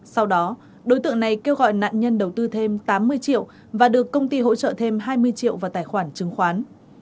sau đó đối tượng này kêu gọi nạn nhân đầu tư thêm tám mươi triệu và được công ty hỗ trợ thêm hai mươi triệu vào tài khoản chứng khoán